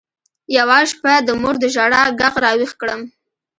يوه شپه د مور د ژړا ږغ راويښ کړم.